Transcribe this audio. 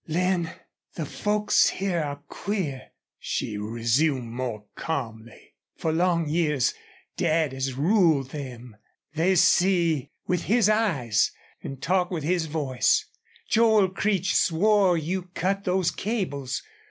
"Lin, the folks here are queer," she resumed, more calmly. "For long years Dad has ruled them. They see with his eyes and talk with his voice. Joel Creech swore you cut those cables.